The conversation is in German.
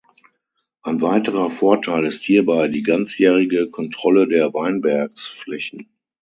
Ein weiterer Vorteil ist hierbei die ganzjährige Kontrolle der Weinbergsflächen.